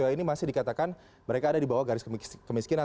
ini masih dikatakan mereka ada di bawah garis kemiskinan